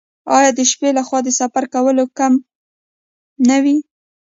آیا د شپې لخوا د سفر کول کم نه وي؟